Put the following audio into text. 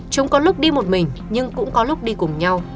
chúng có lúc đi một mình nhưng cũng có lúc đi cùng nhau